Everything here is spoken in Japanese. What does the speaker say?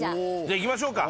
いきましょうか。